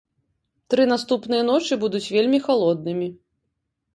Тры наступныя ночы будуць вельмі халоднымі.